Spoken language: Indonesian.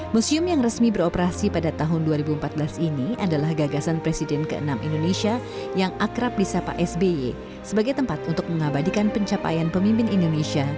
museum yang resmi beroperasi pada tahun dua ribu empat belas ini adalah gagasan presiden ke enam indonesia yang akrab di sapa sby sebagai tempat untuk mengabadikan pencapaian pemimpin indonesia